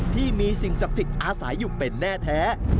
ที่มีสิ่งศักดิ์สิทธิ์อาศัยอยู่เป็นแน่แท้